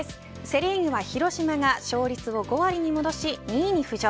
セ・リーグは広島が勝率を５割に戻し、２位に浮上。